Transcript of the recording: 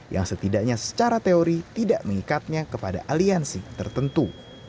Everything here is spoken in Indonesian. yang setidaknya secara teori tidak mengikatnya kepada aliansi tertentu